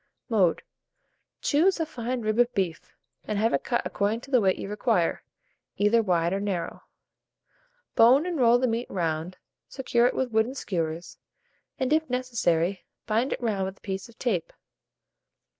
Mode. Choose a fine rib of beef, and have it cut according to the weight you require, either wide or narrow. Bone and roll the meat round, secure it with wooden skewers, and, if necessary, bind it round with a piece of tape.